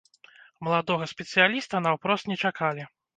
Маладога спецыяліста наўпрост не чакалі.